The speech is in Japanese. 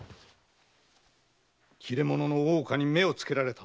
切れ者の大岡に目を付けられたのだ。